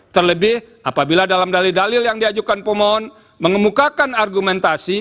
terlebih apabila dalam dalil dalil yang diajukan pemohon mengemukakan argumentasi